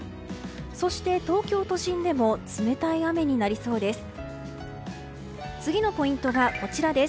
そして、東京都心でも冷たい雨になりそうです。